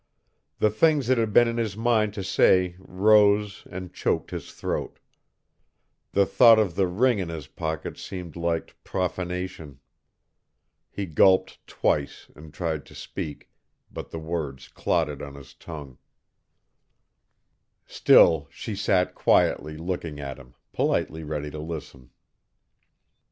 The things that had been in his mind to say rose and choked his throat; the thought of the ring in his pocket seemed like profanation. He gulped twice and tried to speak, but the words clotted on his tongue. Still she sat quietly looking at him, politely ready to listen.